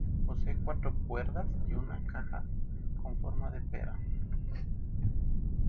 Posee cuatro cuerdas y una caja con forma de pera.